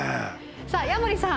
さあ矢守さん